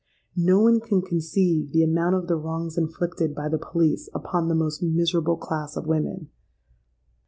No one can conceive the amount of the wrongs inflicted by the police upon the most miserable class of women!